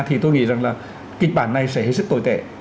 thì tôi nghĩ rằng là kịch bản này sẽ hết sức tồi tệ